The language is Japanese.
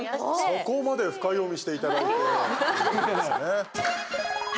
そこまで深読みしていただいて。